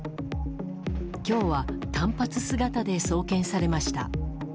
今日は短髪姿で送検されました。